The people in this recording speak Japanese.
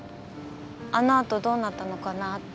あのあとどうなったのかなあって。